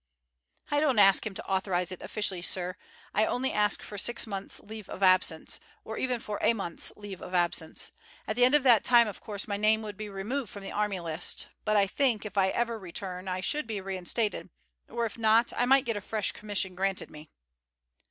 "I don't ask him to authorize it officially, sir. I only ask for six months' leave of absence, or even for a month's leave of absence. At the end of that time of course my name would be removed from the Army List, but I think, if I ever return, I should be reinstated, or if not, I might get a fresh commission granted me."